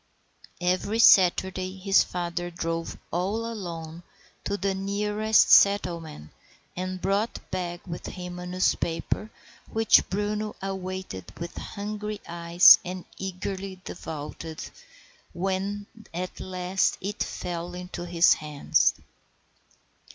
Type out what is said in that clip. Every Saturday his father drove all alone to the nearest settlement and brought back with him a newspaper, which Bruno awaited with hungry eyes and eagerly devoured when at last it fell into his hands.